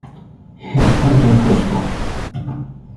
He had come to a full stop